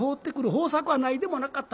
方策はないでもなかった。